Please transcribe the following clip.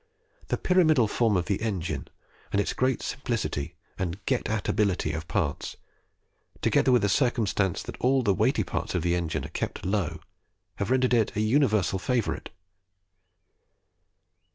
The pyramidal form of this engine, its great simplicity and GET AT ABILITY of parts, together with the circumstance that all the weighty parts of the engine are kept low, have rendered it a universal favourite.